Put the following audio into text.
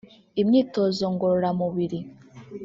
imyitozo ngororamubiri